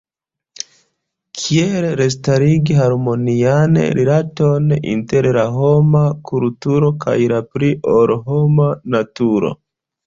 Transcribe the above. Kiel restarigi harmonian rilaton inter la homa kulturo kaj la pli-ol-homa naturo?